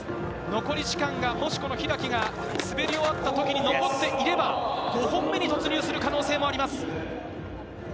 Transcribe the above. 残り時間がもしこの開が滑り終わったときに残っていれば５本目に突入する可能性もあります。